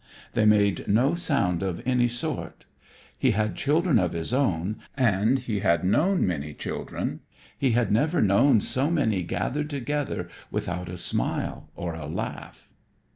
They made no sound of any sort. He had children of his own and he had known many children. He had never known so many gathered together without a smile or a laugh.